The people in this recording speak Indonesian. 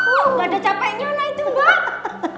wuh gak ada capeknya mbak